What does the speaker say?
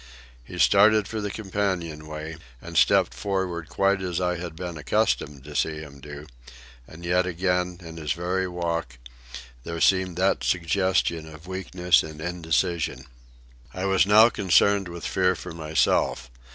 He started for the companion way, and stepped forward quite as I had been accustomed to see him do; and yet again, in his very walk, there seemed that suggestion of weakness and indecision. I was now concerned with fear for myself.